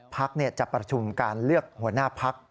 พักจะประชุมการเลือกหัวหน้าพัก